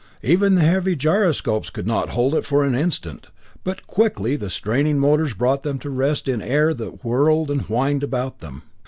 Even the heavy gyroscopes could not hold it for an instant, but quickly the straining motors brought them to rest in air that whirled and whined about them.